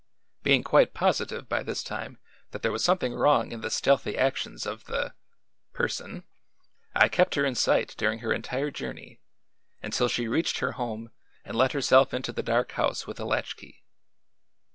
Being quite positive, by this time, that there was something wrong in the stealthy actions of the person, I kept her in sight during her entire journey, until she reached her home and let herself into the dark house with a latchkey.